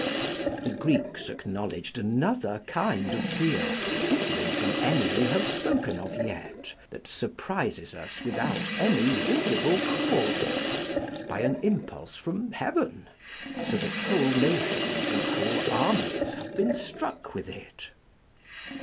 The Greeks acknowledged another kind of fear, differing from any we have spoken of yet, that surprises us without any visible cause, by an impulse from heaven, so that whole nations and whole armies have been struck with it.